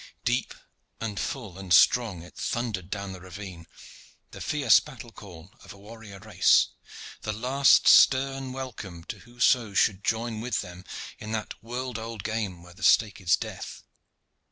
Deep and full and strong it thundered down the ravine, the fierce battle call of a warrior race, the last stern welcome to whoso should join with them in that world old game where the stake is death.